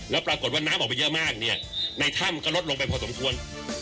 แล้วปรากฏว่าน้ำออกไปเยอะมากเนี่ยในถ้ำก็ลดลงไปพอสมควร